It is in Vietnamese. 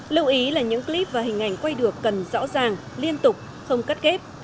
lưu ý là những clip và hình ảnh quay được cần rõ ràng liên tục không cắt kép